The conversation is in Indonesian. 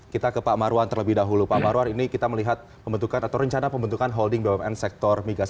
kita ke pak marwan terlebih dahulu pak marwan ini kita melihat pembentukan atau rencana pembentukan holding bumn sektor migas